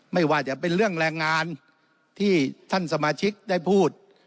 ไม่ว่าจะเป็นเรื่องแรงงานที่ท่านสมาชิกได้พูด